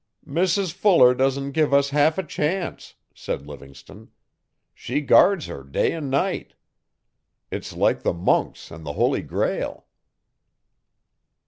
'Mrs Fuller doesn't give us half a chance,' said Livingstone, 'she guards her day and night. It's like the monks and the Holy Grail.